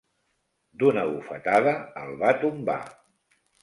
D'una bufetada el va tombar.